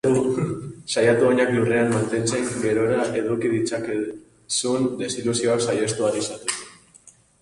Saiatu oinak lurrean mantentzen gerora eduki ditzakezun desilusioak saihestu ahal izateko.